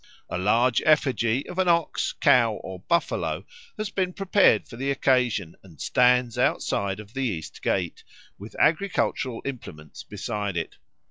A large effigy of an ox, cow, or buffalo has been prepared for the occasion, and stands outside of the east gate, with agricultural implements beside it.